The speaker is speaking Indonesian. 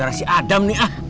gara si adam nih ah